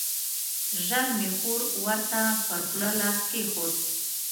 ژر مې خور ورته پر خوله لاس کېښود.